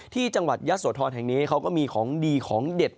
ที่จังหวัดยะโสธรแห่งนี้เขาก็มีของดีของเด็ด